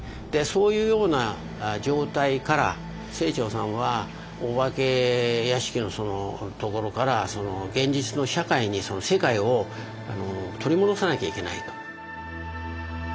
そういうような状態から清張さんはお化け屋敷のところから現実の社会に世界を取り戻さなきゃいけないと。